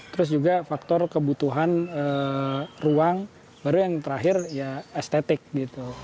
terus juga faktor kebutuhan ruang baru yang terakhir ya estetik gitu